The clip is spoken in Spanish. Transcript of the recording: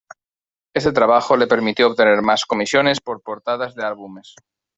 Este trabajó le permitió obtener más comisiones por portadas de álbumes.